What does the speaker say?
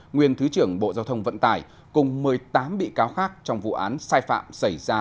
nguyên thứ trưởng bộ giao thông vận tải cùng một mươi tám bị cáo khác trong vụ án sai phạm xảy ra